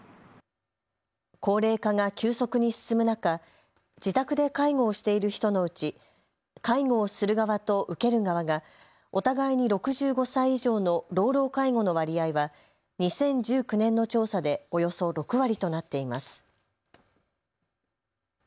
高齢化が急速に進む中、自宅で介護をしている人のうち介護をする側と受ける側がお互いに６５歳以上の老老介護の割合は２０１９年の調査でおよそ６割となっています。